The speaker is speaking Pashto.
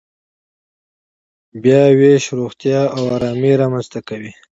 بیاوېش روغتیا او ارامي رامنځته کوي.